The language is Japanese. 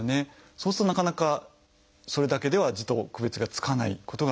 そうするとなかなかそれだけでは痔と区別がつかないことがあります。